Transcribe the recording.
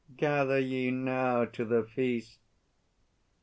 Gather ye now to the feast!